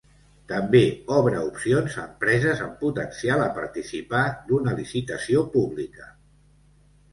També obra opcions a empreses amb potencial a participar d'una licitació pública.